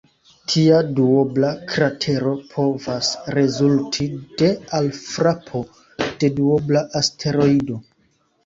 Tia duobla kratero povas rezulti de alfrapo de duobla asteroido.